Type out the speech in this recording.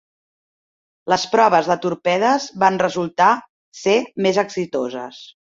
Les proves de torpedes van resultar ser més exitoses.